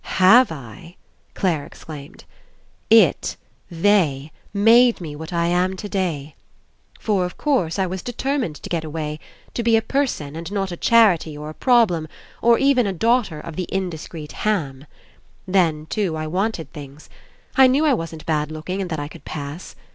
"Have I?" Clare exclaimed. "It, they, made me what I am today. For, of course, I was determined to get away, to be a person and not a charity or a problem, or even a daughter of the indiscreet Ham. Then, too, I 40 ENCOUNTER wanted things. I knew I wasn't bad looking and that I could 'pass.'